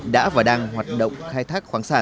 đã và đang hoạt động khai thác